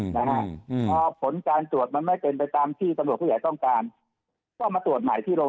เพราะผลการตรวจมันไม่เต็มไปตามที่ตำรวจผู้ใหญ่ต้องการ